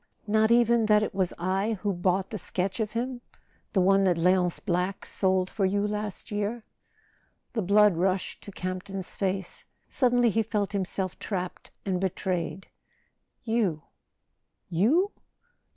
." "Not even that it was I who bought the sketch of him—the one that Leonce Black sold for you last year ?" The blood rushed to Campton's face. Suddenly he [ 337 ] A SON AT THE FRONT felt himself trapped and betrayed. "You— you?